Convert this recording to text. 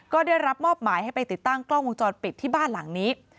ก็ได้รับมอบหมายให้ไปติดตั้งกล้องวงจรปิดที่บ้านหลังนี้